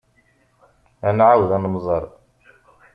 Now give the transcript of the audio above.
Ad nɛawed ad nemẓer.